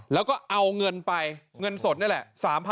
แล้วก็เอาเงินไปเงินสดนี่แหละ